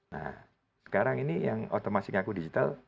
nah sekarang ini yang otomatis ngaku digital